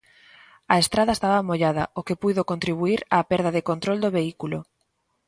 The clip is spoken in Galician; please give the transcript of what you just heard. A estrada estaba mollada o que puido contribuír á perda de control do vehículo.